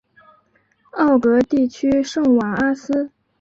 奥格地区圣瓦阿斯。